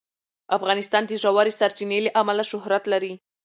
افغانستان د ژورې سرچینې له امله شهرت لري.